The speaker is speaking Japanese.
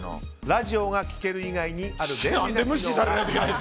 ラジオが聴ける以外にある便利な機能が。